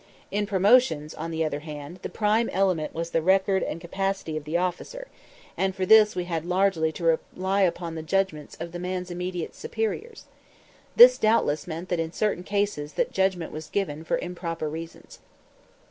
In promotions, on the other hand, the prime element was the record and capacity of the officer, and for this we had largely to rely upon the judgment of the man's immediate superiors. This doubtless meant that in certain cases that judgment was given for improper reasons.